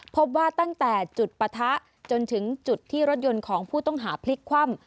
พบว่าตั้งแต่จุดปะทะจนถึงจุดที่รถยนต์ของผู้ต้องหาพลิกคว่ำ